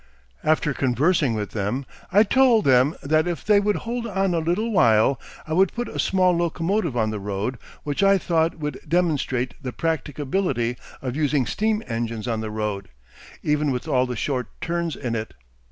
After conversing with them, I told them that if they would hold on a little while I would put a small locomotive on the road, which I thought would demonstrate the practicability of using steam engines on the road, even with all the short turns in it.